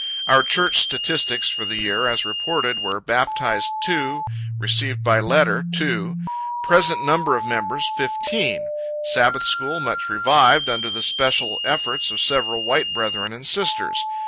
Our church statistics for the year, as reported, were: Baptized, 2; Received by letter, 2; Present number of members, 15.... Sabbath school much revived, under the special efforts of several white brethren and sisters.